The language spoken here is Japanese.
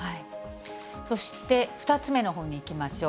そして、２つ目のほうにいきましょう。